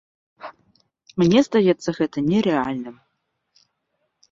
Мне здаецца гэта нерэальным.